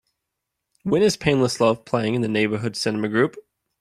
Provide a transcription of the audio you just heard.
When is Painless Love playing in the Neighborhood Cinema Group